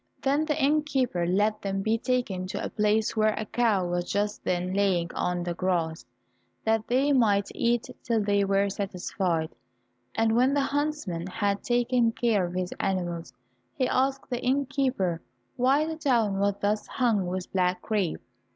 Then the innkeeper let them be taken to a place where a cow was just then lying on the grass, that they might eat till they were satisfied. And when the huntsman had taken care of his animals, he asked the innkeeper why the town was thus hung with black crape?